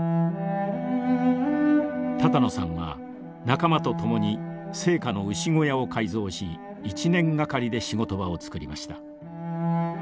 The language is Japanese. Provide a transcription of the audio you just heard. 多々納さんは仲間と共に生家の牛小屋を改造し１年がかりで仕事場をつくりました。